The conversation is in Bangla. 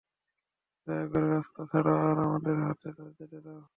দয়া করে রাস্তা ছাড়ো আর আমাদের যেতে দাও।